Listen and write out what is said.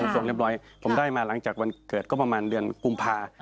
เรียบร้อยครับผมได้มาหลังวันเกิดประมาณเดือนกุมภาพ